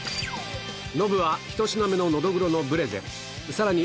ノブは１品目のノドグロのブレゼさらに